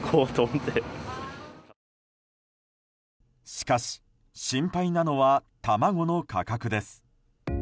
しかし心配なのは卵の価格です。